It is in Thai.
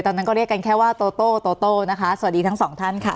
ตอนนั้นก็เรียกกันแค่ว่าโตโต้โตโต้นะคะสวัสดีทั้งสองท่านค่ะ